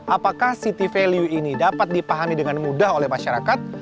apakah city value ini dapat dipahami dengan mudah oleh masyarakat